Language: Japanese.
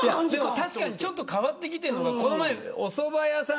確かにちょっと変わってきてるのがこの前おそば屋さん